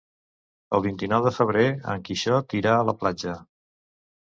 El vint-i-nou de febrer en Quixot irà a la platja.